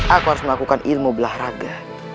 aku harus melakukan ilmu belah raga